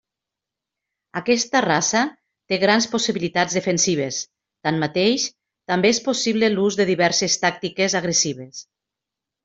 Aquesta raça té grans possibilitats defensives, tanmateix, també és possible l'ús de diverses tàctiques agressives.